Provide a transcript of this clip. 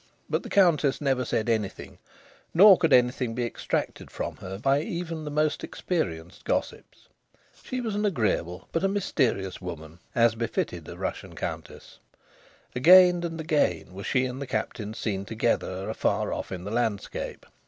But the Countess never said anything; nor could anything be extracted from her by even the most experienced gossips. She was an agreeable but a mysterious woman, as befitted a Russian Countess. Again and again were she and the Captain seen together afar off in the landscape.